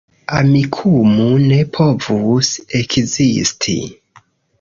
Amikumu ne povus ekzisti